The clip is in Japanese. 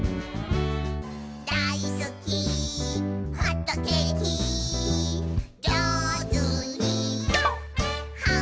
「だいすきホットケーキ」「じょうずにはんぶんこ！」